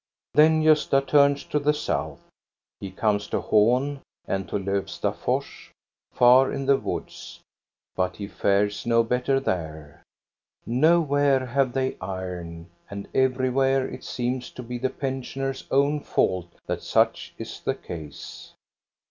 Then Gosta turns to the south. He comes to Hin, 282 THE STORY OF GOSTA BERLING and to Lofstafors, far in in the woods, but he fares no better there. Nowhere have they iron, and every where it seems to be the pensioners' own fault that such is the case.